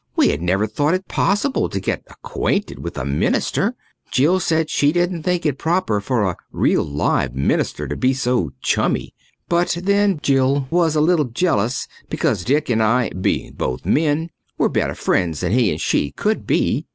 We had never thought it possible to get acquainted with a minister. Jill said she didn't think it proper for a real live minister to be so chummy. But then Jill was a little jealous because Dick and I, being both men; were better friends than he and she could be.